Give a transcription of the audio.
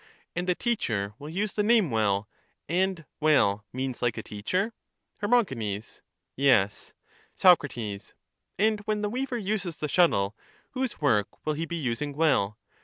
and the teacher will use the name well — and well means like a teacher? Her. Yes. Soc. And when the weaver uses the shuttle, whose work will he be using well?